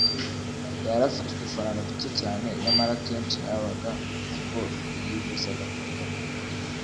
Yari afite udufaranga duke cyane, nyamara akenshi habaga ubwo yibuzaga kurya